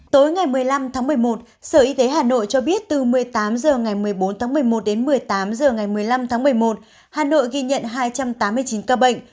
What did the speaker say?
tối ngày một mươi năm tháng một mươi một sở y tế hà nội cho biết từ một mươi tám h ngày một mươi bốn tháng một mươi một đến một mươi tám h ngày một mươi năm tháng một mươi một hà nội ghi nhận hai trăm tám mươi chín ca bệnh